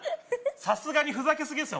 さすがにふざけすぎですよ